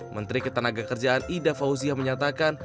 menteri ketenagakerjaan ida fauzia menyatakan